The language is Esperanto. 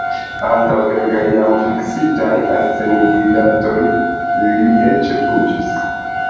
Antaŭ kelkaj jam fiksitaj enscenigdatoj li eĉ fuĝis.